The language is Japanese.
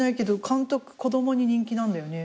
監督子供に人気なんだよね。